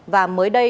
và mới đây